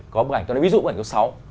có bức ảnh tôi nói ví dụ ảnh số sáu